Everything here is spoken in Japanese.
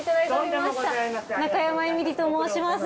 中山エミリと申します。